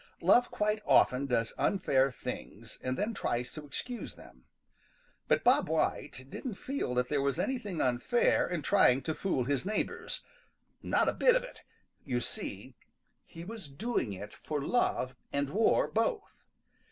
Love quite often does unfair things and then tries to excuse them. But Bob White didn't feel that there was anything unfair in trying to fool his neighbors. Not a bit of it. You see, he was doing it for love and war both.